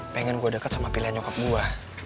pengen gua deket sama pilihan nyokap gua